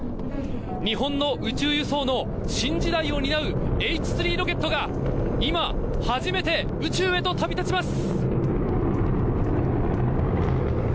日本の宇宙輸送の新時代を担うＨ３ロケットが今、初めて宇宙へと旅立ちます！